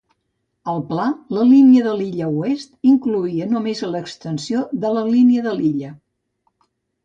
Al pla, la Línia de l'Illa Oest incloïa només l'extensió de la Línia de l'Illa.